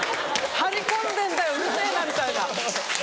張り込んでんだようるせぇなみたいな。